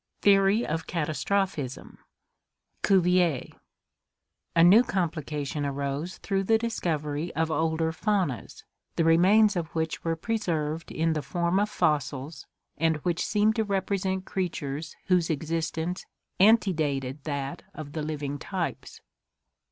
Theory of Catastrophism Cuvier. — A new complication arose through the discovery of older faunas, the remains of which were preserved in the form of fossils and which seemed to represent creatures whose existence antedated that of the living types.